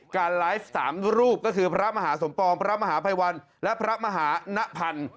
การไลฟ์๓รูปก็คือพระมหาสมปองพระมหาภัยวันและพระมหานพันธ์